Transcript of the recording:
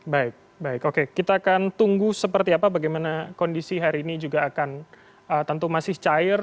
baik baik oke kita akan tunggu seperti apa bagaimana kondisi hari ini juga akan tentu masih cair